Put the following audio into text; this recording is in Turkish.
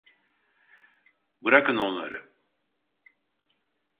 Bırakın onları!